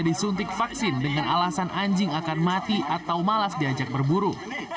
disuntik vaksin dengan alasan anjing akan mati atau malas diajak berburu